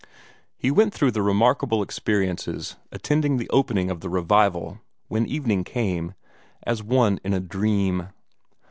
He went through the remarkable experiences attending the opening of the revival, when evening came, as one in a dream.